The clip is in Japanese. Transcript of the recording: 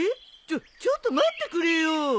ちょちょっと待ってくれよ。